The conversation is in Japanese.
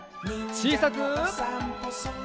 ちいさく。